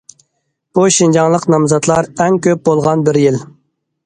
بۇ شىنجاڭلىق نامزاتلار ئەڭ كۆپ بولغان بىر يىل.